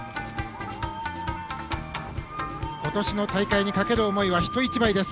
今年の大会にかける思いは人一倍です。